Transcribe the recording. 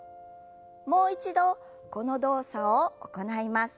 もう一度この動作を行います。